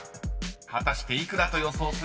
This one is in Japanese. ［果たして幾らと予想するか？］